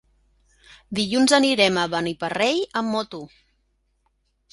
Dilluns anirem a Beniparrell amb moto.